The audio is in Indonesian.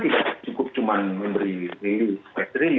tidak cukup cuman memberi release